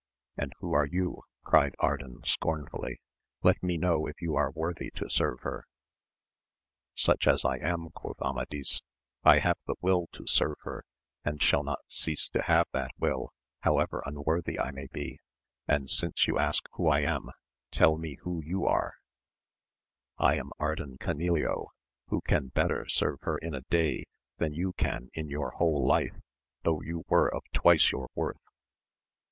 And who are you? cried Ardan scornfully; let me know if you are worthy to serve her % Suck 90 AMADIS OF GAUL as I am, quoth Amadis, I have the will to serve her, and shall not cease to have that will, however un worthy I may be, and since you ask who I am, tell me who are you? — I am Ardan Canileo, who can better serve her in a day than you can in your whole life, though you were of twice your worth.